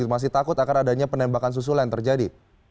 masih takut akan adanya penembakan susulan yang terjadi